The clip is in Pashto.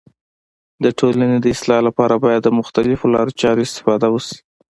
د ټولني د اصلاح لپاره باید د مختلیفو لارو چارو استفاده وسي.